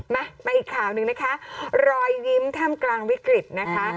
มามาอีกข่าวหนึ่งนะคะรอยยิ้มท่ามกลางวิกฤตนะคะ